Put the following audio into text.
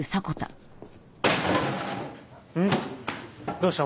どうした？